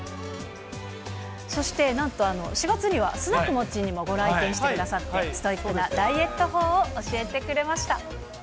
そして、なんと４月には、スナックモッチーにも来店してくださって、ストイックなダイエット法を教えてくれました。